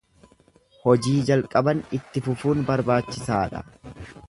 Hojii jalqaban itti fufuun barbaachisaa dha.